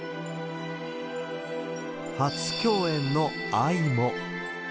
初共演の愛も。